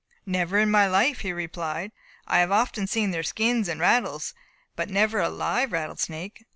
"Never in my life," he replied. "I have often seen their skins and rattles, but never a live rattle snake.